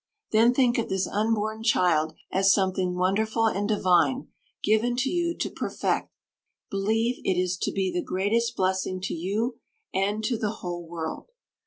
Then think of this unborn child as something wonderful and divine, given to you to perfect. Believe it is to be the greatest blessing to you and to the whole world.